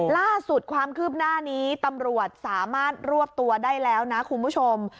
ล่าสุดความคืบหน้านี้ตำรวจสามารถรวบตัวได้แล้วนะคุณผู้ชม